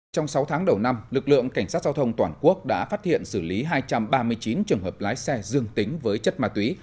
trong sáu tháng đầu năm lực lượng cảnh sát giao thông toàn quốc đã phát hiện xử lý hai trăm ba mươi chín trường hợp lái xe dương tính với chất ma túy